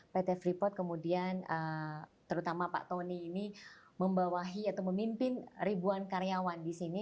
pertama sekali pak tony ini membawahi atau memimpin ribuan karyawan di sini